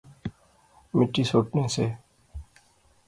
مٹی سٹنے سے